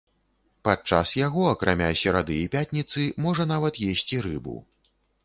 Падчас яго, акрамя серады і пятніцы, можна нават есці рыбу.